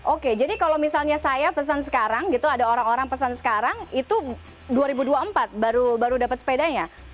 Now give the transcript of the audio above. oke jadi kalau misalnya saya pesan sekarang gitu ada orang orang pesan sekarang itu dua ribu dua puluh empat baru dapat sepedanya